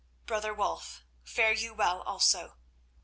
Brother Wulf, fare you well also.